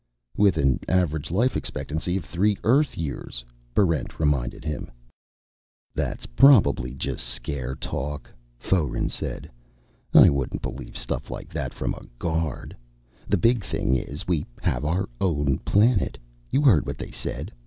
"With an average life expectancy of three Earth years," Barrent reminded him. "That's probably just scare talk," Foeren said. "I wouldn't believe stuff like that from a guard. The big thing is, we have our own planet. You heard what they said.